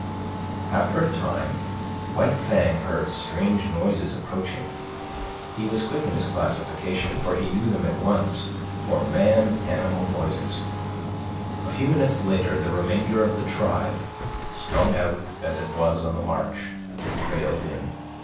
After a time, White Fang heard strange noises approaching. He was quick in his classification, for he knew them at once for man animal noises. A few minutes later the remainder of the tribe, strung out as it was on the march, trailed in.